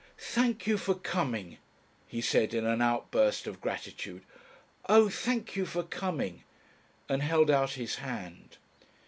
"Thank you for coming," he said in an outburst of gratitude. "Oh, thank you for coming," and held out his hand.